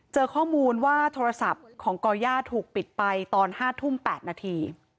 เจอข้อมูลว่าโทรศัพท์ของก่อย่าถูกปิดไปตอน๕ทุ่ม๘นาที